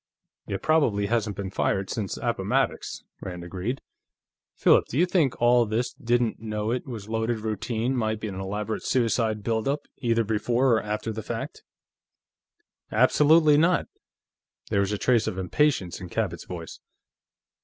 "It probably hasn't been fired since Appomattox," Rand agreed. "Philip, do you think all this didn't know it was loaded routine might be an elaborate suicide build up, either before or after the fact?" "Absolutely not!" There was a trace of impatience in Cabot's voice.